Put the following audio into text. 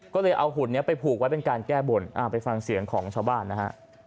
ก็เลยเอาหุ่นนี้ไปผูกไว้เป็นการแก้บนไปฟังเสียงของชาวบ้านนะฮะ